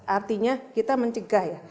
artinya kita mencegah ya